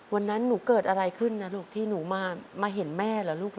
วันนั้นหนูเกิดอะไรขึ้นนะลูกที่หนูมาเห็นแม่เหรอลูก